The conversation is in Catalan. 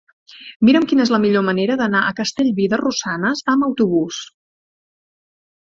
Mira'm quina és la millor manera d'anar a Castellví de Rosanes amb autobús.